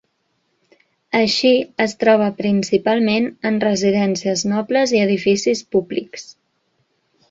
Així, es troba principalment en residències nobles i edificis públics.